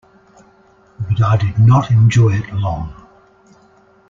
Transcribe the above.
But I did not enjoy it long.